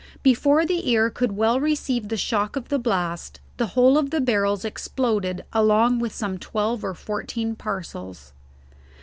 Before the ear could well receive the shock of the blast the whole of the barrels exploded along with some twelve or fourteen parcels.